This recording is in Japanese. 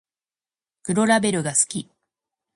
黒ラベルが好き